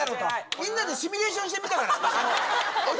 みんなでシミュレーションしてみたから。